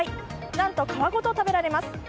何と皮ごと食べられます。